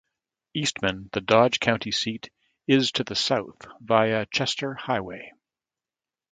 Eastman, the Dodge County seat, is to the south via Chester Highway.